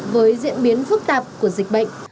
với diễn biến phức tạp của dịch bệnh